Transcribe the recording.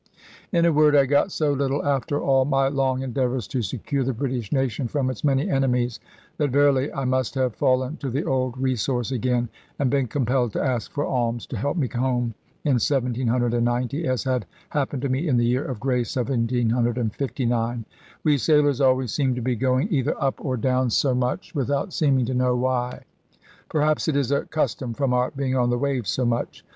In a word, I got so little after all my long endeavours to secure the British nation from its many enemies, that verily I must have fallen to the old resource again, and been compelled to ask for alms to help me home in 1790, as had happened to me in the year of grace 1759. We sailors always seem to be going either up or down so much, without seeming to know why. Perhaps it is a custom from our being on the waves so much.